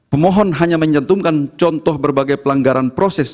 pemohon hanya menyentumkan contoh berbagai pelanggaran proses